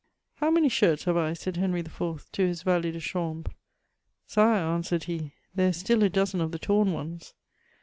'^ How many shirts have I ?*' said Henry IV. to his valet de chambre,^^ ^ ^e/' answered he, '* there is still a dozen of the torn ones."